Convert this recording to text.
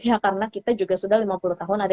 ya karena kita juga sudah lima puluh tahun ada